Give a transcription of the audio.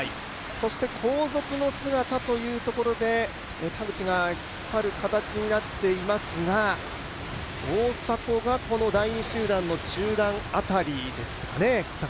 そして後続の姿というところで田口が引っ張る形になっていますが、大迫がこの第２集団の中団辺りですかね。